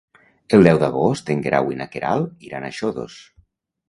El deu d'agost en Guerau i na Queralt iran a Xodos.